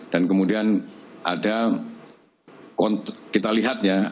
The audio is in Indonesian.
dan kemudian ada kita lihat ya